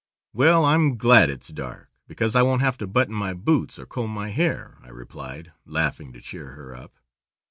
"Well, I'm glad it's dark, because I won't have to button my boots or comb my hair," I replied, laughing to cheer her up.